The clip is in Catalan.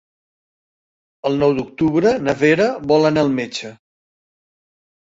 El nou d'octubre na Vera vol anar al metge.